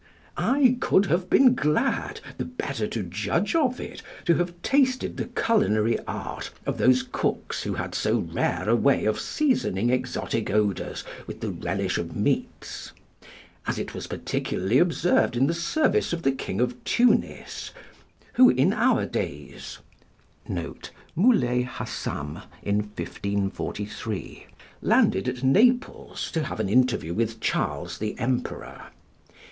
I could have been glad, the better to judge of it, to have tasted the culinary art of those cooks who had so rare a way of seasoning exotic odours with the relish of meats; as it was particularly observed in the service of the king of Tunis, who in our days [Muley Hassam, in 1543.] landed at Naples to have an interview with Charles the Emperor.